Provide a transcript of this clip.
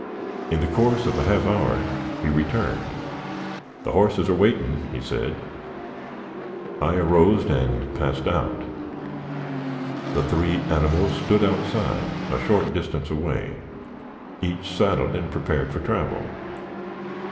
In the course of a half hour he returned. "The horses are waitin'," said he. I arose and passed out. The three animals stood outside, a short distance away, each saddled and prepared for travel.